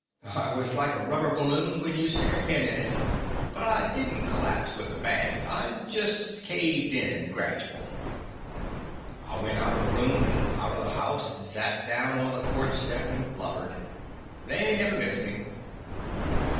I was like a rubber balloon when you stick a pin in it, but I did n't collapse with a bang, I just caved in gradual. I went out of the room, and out of the house, and sat down on the porch step and blubbered. They never missed me.